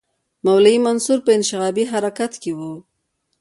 د مولوي منصور په انشعابي حرکت کې وو.